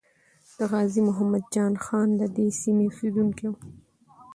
د غازی محمد جان خان ددې سیمې اسیدونکی وو.